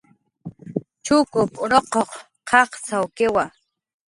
Chukup ruquq qaqcxawkiwa